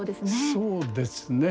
そうですね。